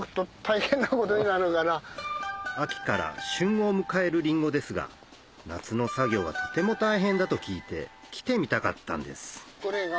秋から旬を迎えるりんごですが夏の作業がとても大変だと聞いて来てみたかったんですこれが。